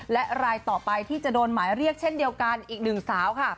และรายต่อไปที่จะโดนหมายเรียกเช่นเดียวกันอีกหนึ่งสาวค่ะ